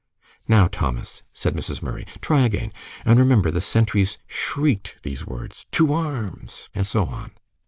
"Now, Thomas," said Mrs. Murray, "try again. And remember the sentries shrieked these words, 'To arms!' and so on."